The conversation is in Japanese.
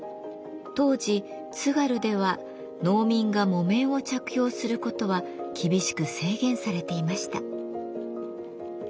当時津軽では農民が木綿を着用することは厳しく制限されていました。